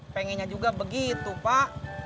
pengennya juga begitu pak